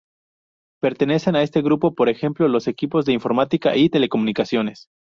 Pertenecen, a este grupo, por ejemplo, los equipos de informática y telecomunicaciones.